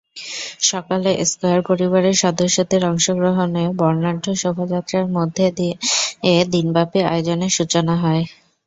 সকালে স্কয়ার পরিবারের সদস্যদের অংশগ্রহণে বর্ণাঢ্য শোভাযাত্রার মধ্য দিয়ে দিনব্যাপী আয়োজনের সূচনা হয়।